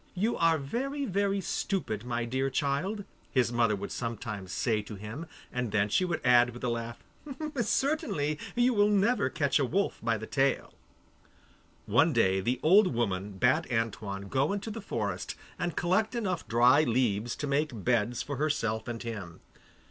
'You are very, very stupid, my dear child,' his mother would sometimes say to him, and then she would add with a laugh, 'Certainly you will never catch a wolf by the tail.' One day the old woman bade Antoine go into the forest and collect enough dry leaves to make beds for herself and him.